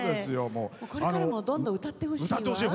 これからもどんどん歌ってほしいわ。